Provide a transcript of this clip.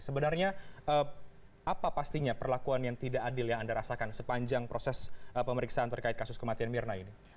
sebenarnya apa pastinya perlakuan yang tidak adil yang anda rasakan sepanjang proses pemeriksaan terkait kasus kematian mirna ini